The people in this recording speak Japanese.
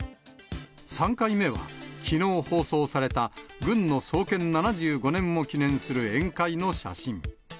３回目は、きのう放送された軍の創建７５年を記念する宴会の写真。